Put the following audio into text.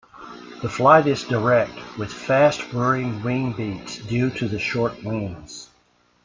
The flight is direct, with fast whirring wing beats due to the short wings.